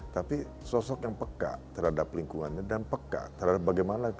tapi sosok yang peka terhadap lingkungannya dan peka terhadap bagaimana